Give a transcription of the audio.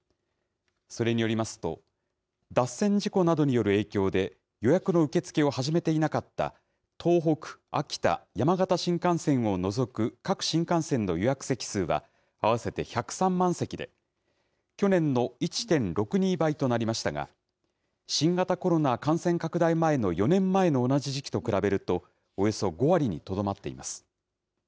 それによりますと、脱線事故などによる影響で予約の受け付けを始めていなかった、東北、秋田、山形新幹線を除く各新幹線の予約席数は合わせて１０３万席で、去年の１．６２倍となりましたが、新型コロナ感染拡大前の４年前の同じ時期と比べると、およそ５割にとどまっています。